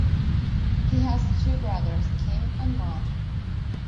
He has two brothers, Kim and Mark.